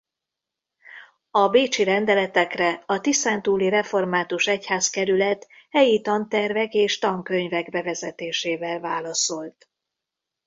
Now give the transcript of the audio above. A bécsi rendeletekre a Tiszántúli Református Egyházkerület helyi tantervek és tankönyvek bevezetésével válaszolt.